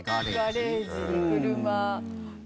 ガレージに車ダメ？